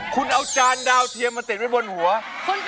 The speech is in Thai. ร้องได้ให้ร้าน